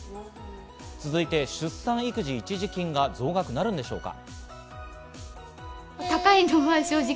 続いて出産育児一時金が増額なるでしょうか。